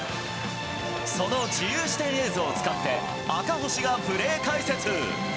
その自由視点映像を使って、赤星がプレー解説。